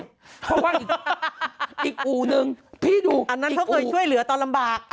เพราะว่าอีกอู่นึงพี่ดูอันนั้นเขาเคยช่วยเหลือตอนลำบาก